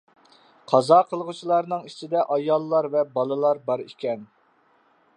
قازا قىلغۇچىلارنىڭ ئىچىدە ئاياللار ۋە بالىلار بار ئىكەن.